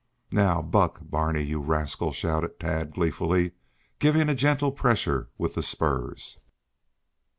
"Now, buck, Barney, you rascal!" shouted Tad gleefully, giving a gentle pressure with the spurs.